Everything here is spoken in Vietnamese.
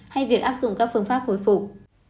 hay việc áp dụng các phương pháp hồi phục